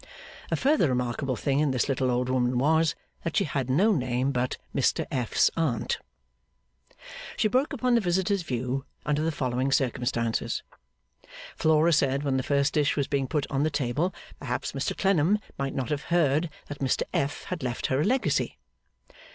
A further remarkable thing in this little old woman was, that she had no name but Mr F.'s Aunt. She broke upon the visitor's view under the following circumstances: Flora said when the first dish was being put on the table, perhaps Mr Clennam might not have heard that Mr F. had left her a legacy?